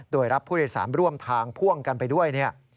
โดยรับผู้โดยสารร่วมทางพ่วงกันไปด้วย